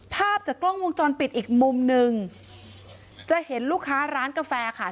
ภาพจากกล้องวงจรปิดอีกมุมหนึ่งจะเห็นลูกค้าร้านกาแฟค่ะ